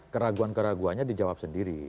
keraguan keraguannya dijawab sendiri